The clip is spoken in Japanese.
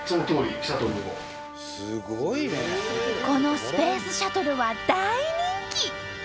このスペースシャトルは大人気！